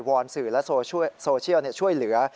อนสื่อและโซเชียลช่วยเหลือ